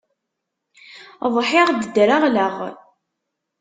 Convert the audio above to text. Ḍḥiɣ-d ddreɣleɣ.